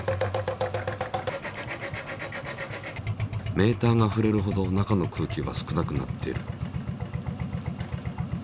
メーターがふれるほど中の空気は少なくなっている。